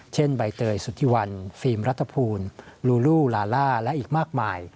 ใบเตยสุธิวันฟิล์มรัฐภูมิลูลูลาล่าและอีกมากมาย